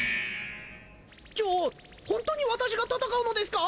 ちょホントに私が戦うのですか？